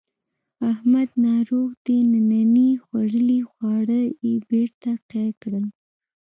احمد ناروغ دی ننني خوړلي خواړه یې بېرته قی کړل.